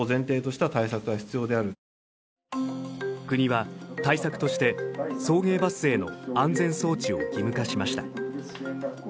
国は対策として送迎バスへの安全装置を義務化しました。